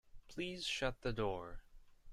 Please shut the door.